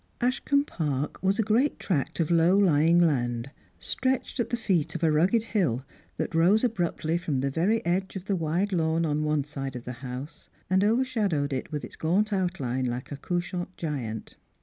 Ashcombe Park was a great tract of low lying land, stretched at the feet of a rugged hill that rose abruptly from the very edge of the wide lawn on one side of the house, and over shadowed it with its gaunt outline like a couchant giant.